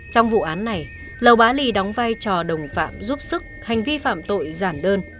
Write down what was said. trong vụ án này lầu bá lì đóng vai trò đồng phạm giúp sức hành vi phạm tội giản đơn